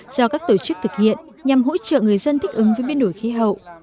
do các tổ chức thực hiện nhằm hỗ trợ người dân thích ứng với biến đổi khí hậu